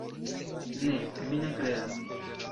Ne, mi ne kredas.